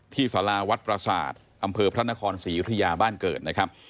สาราวัดประสาทอำเภอพระนครศรียุธยาบ้านเกิดนะครับ